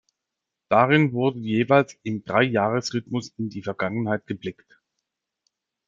Darin wurde jeweils im Dreijahresrhythmus in die Vergangenheit geblickt.